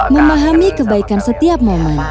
memahami kebaikan setiap momen